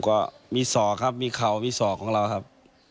ก็มีศอกครับมีเข่ามีศอกของเราครับ